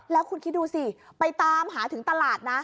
แล้วคุณคิดดูสิไปตามหาถึงตลาดนะ